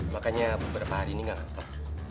makanya beberapa hari ini gak ngetop